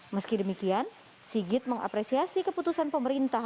meski demikian sigit mengapresiasi keputusan pemerintah